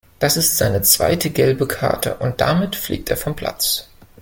Das ist seine zweite gelbe Karte und damit fliegt er vom Platz.